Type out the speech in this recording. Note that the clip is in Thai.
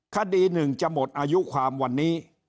คดีหนึ่งจะหมดอายุความวันนี้